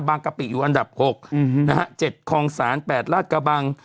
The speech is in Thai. บางกะปิอยู่อันดับหกอืมฮะนะฮะเจ็ดคองสารแปดลาดกะบัง